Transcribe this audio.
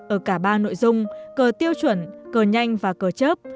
ở cả ba nội dung cờ tiêu chuẩn cờ nhanh và cờ chớp